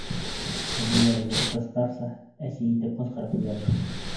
Әнүәр йыртҡыстарса, әсе итеп, ҡысҡырып ебәрҙе.